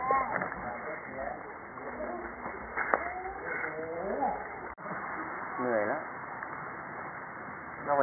เหนื่อยนะ